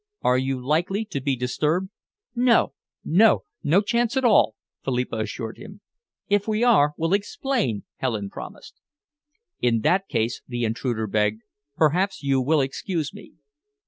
Are you likely to be disturbed?" "No, no! No chance at all," Philippa assured him. "If we are, we'll explain," Helen promised. "In that case," the intruder begged, "perhaps you will excuse me."